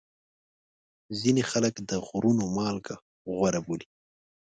ځینې خلک د غرونو مالګه غوره بولي.